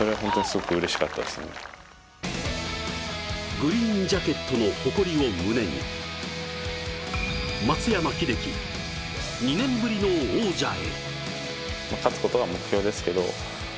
グリーンジャケットの誇りを胸に、松山英樹、２年ぶりの王者へ。